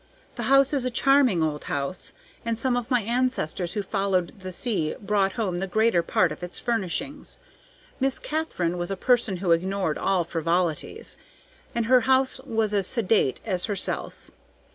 The house is a charming old house, and some of my ancestors who followed the sea brought home the greater part of its furnishings. Miss Katharine was a person who ignored all frivolities, and her house was as sedate as herself.